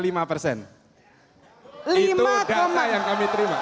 itu data yang kami terima